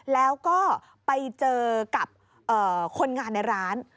แล้วก็ไปเจอกับคนงานในร้าน